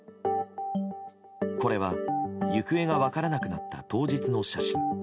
これは、行方が分からなくなった当日の写真。